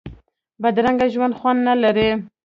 بدرنګه ژوند خوند نه لري